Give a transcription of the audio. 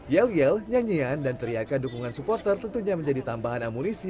yel yel nyanyian dan teriakan dukungan supporter tentunya menjadi tambahan amunisi